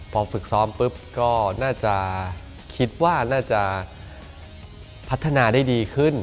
พอฝึกซ้อมปุ๊บก็น่าจะคิดว่าน่าจะพัฒนาได้ดีขึ้น